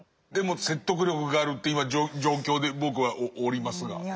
でも説得力があるっていう今状況で僕はおりますが。